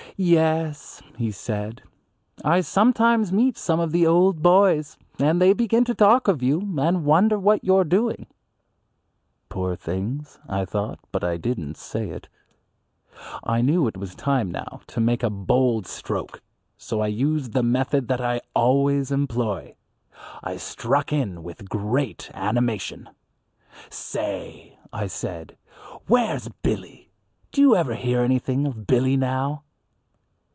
"Yes," he said, "I sometimes meet some of the old boys and they begin to talk of you and wonder what you're doing." "Poor things," I thought, but I didn't say it. I knew it was time now to make a bold stroke; so I used the method that I always employ. I struck in with great animation. "Say!" I said, "where's Billy? Do you ever hear anything of Billy now?"